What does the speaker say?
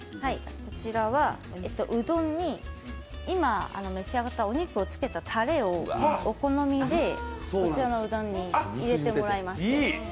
こちらはうどんに今、召し上がったお肉をつけたたれをお好みでこちらのうどんに入れてもらいます。